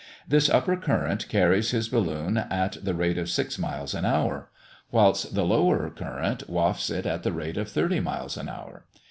This upper current carries his balloon at the rate of six miles an hour; whilst the lower current wafts it at the rate of thirty miles an hour.